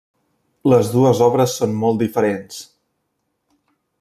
Les dues obres són molt diferents.